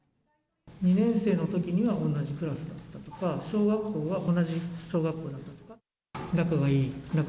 ２年生のときには同じクラスだったとか、小学校は同じ小学校だったとか。